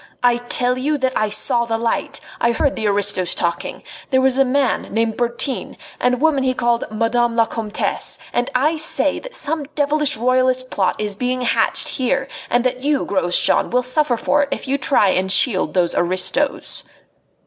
"I tell you that I saw the light. I heard the aristos talking. There was a man named Bertin, and a woman he called 'Madame la Comtesse,' and I say that some devilish royalist plot is being hatched here, and that you, Grosjean, will suffer for it if you try and shield those aristos."